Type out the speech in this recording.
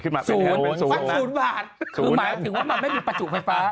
คือหมายถึงว่ามันไม่มีประจุไฟฟ้า